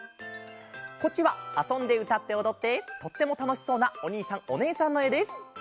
こっちはあそんでうたっておどってとってもたのしそうなおにいさんおねえさんのえです。